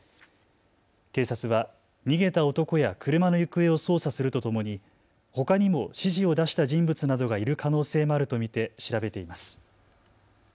警察は逃げた男や車の行方を捜査するとともにほかにも指示を出した人物などがいる可能性もあると見て調べています。